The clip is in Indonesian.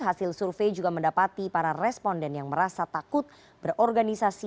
hasil survei juga mendapati para responden yang merasa takut berorganisasi